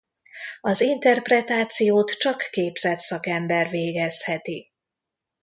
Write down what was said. Az interpretációt csak képzett szakember végezheti.